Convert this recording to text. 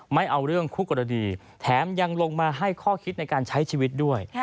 ไม่เอาเรื่องคู่กรณีแถมยังลงมาให้ข้อคิดในการใช้ชีวิตด้วย